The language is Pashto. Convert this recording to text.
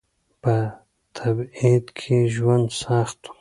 په تبعيد کې ژوند سخت و.